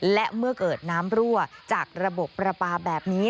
และเมื่อเกิดน้ำรั่วจากระบบประปาแบบนี้